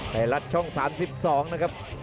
ไทยรัฐช่อง๓๒นะครับ